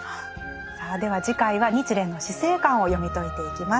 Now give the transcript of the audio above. さあでは次回は日蓮の死生観を読み解いていきます。